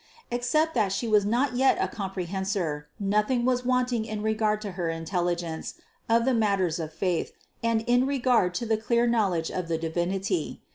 Except that She was not yet a comprehensor, nothing was wanting in regard to her intelligence of the matters of faith and in regard to the clear knowledge of the Divinity.